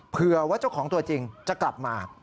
เผื่อว่าเจ้าของตัวจริงจะกลับมา